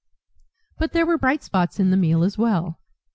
But there were bright spots in the meal as well.